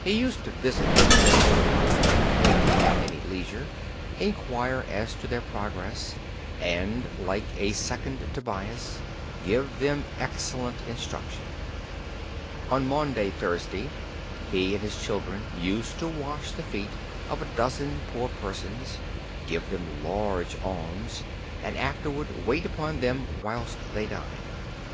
He used to visit them in their own apartment when he had any leisure, inquire as to their progress, and like a second Tobias, give them excellent instruction .... On Maundy Thursday, he and his children used to wash the feet of a dozen poor persons, give them large alms, and afterward wait upon them whilst they dined.